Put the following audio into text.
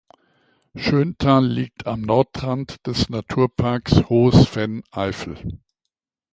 Schönthal liegt am Nordrand des Naturparks Hohes Venn-Eifel.